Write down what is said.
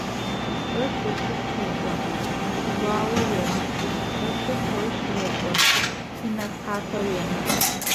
Ышы ышыпхъу реӀо: «СиӀэгуао уемыӀ», ышыпхъу ышы реӀо: «Синысхъапэ уемыӀ».